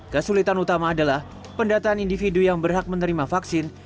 kesulitan utama adalah pendataan individu yang berhak menerima vaksin